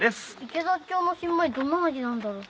池田町の新米どんな味なんだろう？